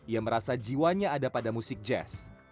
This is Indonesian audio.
ia merasa jiwanya ada pada musik jazz